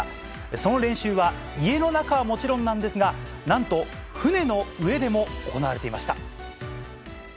その練習は家の中はもちろんなんですが何と船の上でも行われていました。